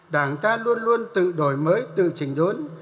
đảng ta luôn luôn tự đổi mới tự trình đốn